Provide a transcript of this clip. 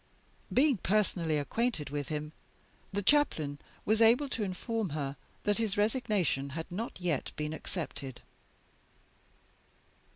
Being personally acquainted with him, the Chaplain was able to inform her that his resignation had not yet been accepted.